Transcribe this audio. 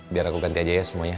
biar aku ganti aja ya semuanya